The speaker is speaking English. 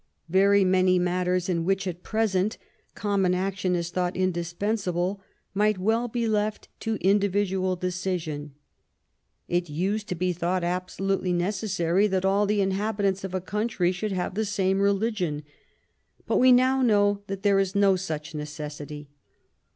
Very many matters in which, at present, common action is thought indispensable, might well be left to individual decision. It used to be thought absolutely necessary that all the inhabitants of a country should have the same religion, but we now know that there is no such necessity.